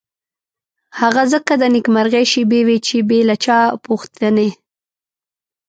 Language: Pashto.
هغه ځکه د نېکمرغۍ شېبې وې چې بې له چا پوښتنې.